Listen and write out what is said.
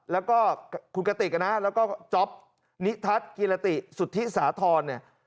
แล้วก็คุณกติกนะแล้วก็จ๊อปนิทัศน์กิรติสุธิสาธรณ์เนี่ย